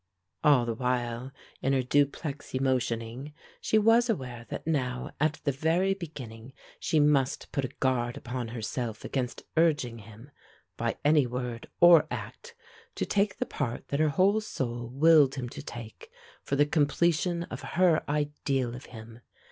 All the while, in her duplex emotioning, she was aware that now at the very beginning she must put a guard upon herself against urging him, by any word or act, to take the part that her whole soul willed him to take, for the completion of her ideal of him.